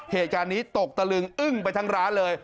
เหตุการณ์นี้ตกตะลึงอึ้งไปทั้งร้านเลย